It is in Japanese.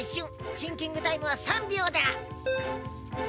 シンキングタイムは３びょうだ！